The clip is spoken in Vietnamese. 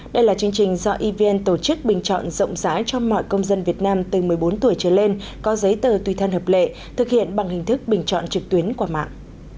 đây là chương trình do evn tổ chức bình chọn rộng rãi cho mọi công dân việt nam từ một mươi bốn tuổi trở lên có giấy tờ tùy thân hợp lệ thực hiện bằng hình thức bình chọn trực tuyến qua mạng